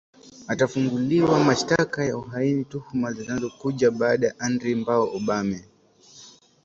atafunguliwa mashtaka ya uhaini tuhuma zinazokuja baada ya andre mbao obame